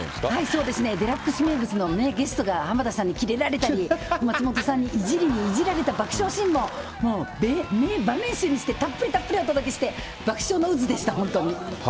そうですね、ＤＸ名物の名ゲストが浜田さんにきれられたり、松本さんにいじりにいじられた爆笑シーンも、たっぷりたっぷりお届けして爆笑の渦でした、本当に。